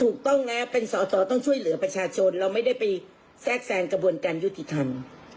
ถูกต้องนะเป็นสอสอต้องช่วยเหลือประชาชนเราไม่ได้ไปแทรกแทรงกระบวนการยุติธรรม